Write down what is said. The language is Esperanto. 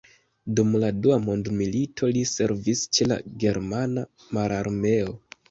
Dum la Dua mondmilito li servis ĉe la germana mararmeo.